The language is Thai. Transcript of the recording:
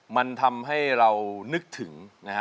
มันทำให้เรานึกถึงนะฮะ